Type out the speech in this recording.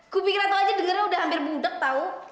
kupikir ratu aja dengernya udah hampir budak tau